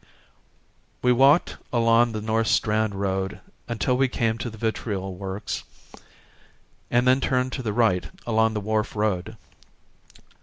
We walked along the North Strand Road till we came to the Vitriol Works and then turned to the right along the Wharf Road.